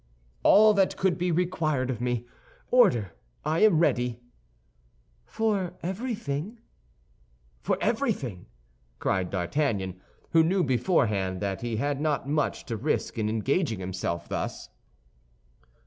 "All that could be required of me. Order; I am ready." "For everything?" "For everything," cried D'Artagnan, who knew beforehand that he had not much to risk in engaging himself thus.